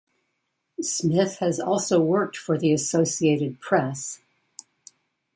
Smith has also worked for the Associated Press.